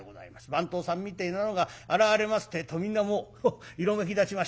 番頭さんみてえなのが現れますてえとみんなもう色めきだちましてね